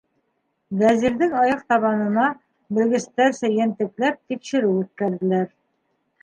Вәзирҙең аяҡ табанына, белгестәрсә ентекләп, тикшереү үткәрҙеләр.